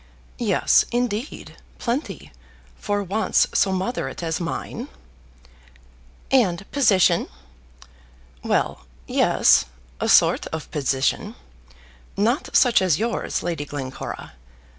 "Yes, indeed; plenty, for wants so moderate as mine." "And position." "Well, yes; a sort of position. Not such as yours, Lady Glencora.